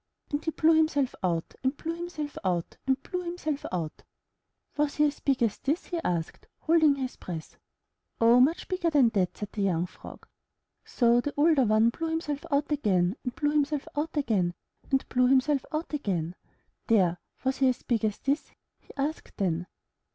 And he blew himself out, and blew himself out, and blew himself out. i&iii//;^/iiafcA:J^^^JiW 178 IN THE NURSERY Was he as big as this?*' he asked, holding his breath. * 'Oh much bigger than that/' said the young Frog. So the older one blew himself out again, and blew himself out again, and blew himself out again. 'There! Was he as big as this?'' he asked then.